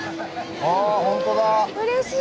うれしい。